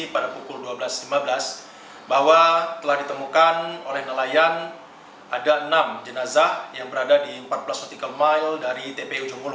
pada pukul dua belas lima belas bahwa telah ditemukan oleh nelayan ada enam jenazah yang berada di empat belas cutical mile dari tpu jongkolo